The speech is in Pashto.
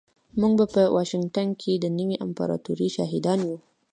موږ به په واشنګټن کې د نوې امپراتورۍ شاهدان یو